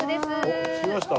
おっ着きました？